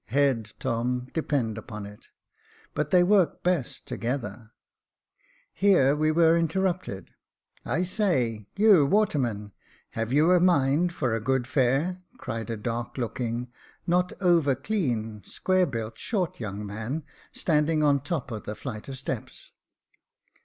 " Head, Tom, depend upon it ; but they work best together." Here we were interrupted —" I say, you waterman, have you a mind for a good fare ?" cried a dark looking, not over clean, square built, short young man, standing on the top of the flight of steps.